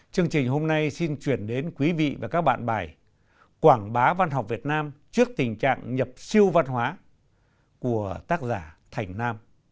chương trình hôm nay xin chuyển đến quý vị và các bạn bài quảng bá văn học việt nam trước tình trạng nhập siêu văn hóa của tác giả thành nam